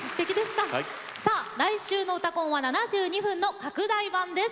来週の「うたコン」は７２分の拡大版です。